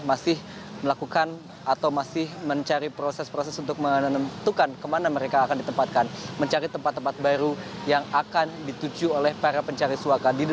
masih melakukan atau masih mencari proses proses untuk menentukan kemana mereka akan ditempatkan mencari tempat tempat baru yang akan dituju oleh para pencari suaka